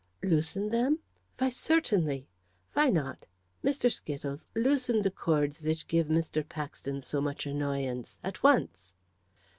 "Loosen them? Why, certainly. Why not? My Skittles, loosen the cords which give Mr. Paxton so much annoyance at once."